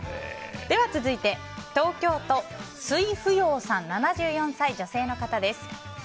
では続いて、東京都の７４歳女性の方です。